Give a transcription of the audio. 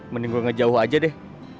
mending gue ngejauh aja deh